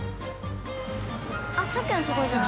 あっさっきの所じゃない？